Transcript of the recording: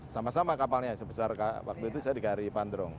sama sama kapalnya sebesar waktu itu saya di kri pandrong